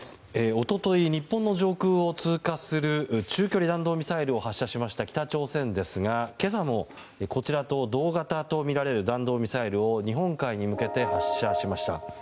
一昨日、日本の上空を通過する中距離弾道ミサイルを発射した北朝鮮ですが今朝もこちらと同型とみられる弾道ミサイルを日本海に向けて発射しました。